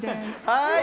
はい！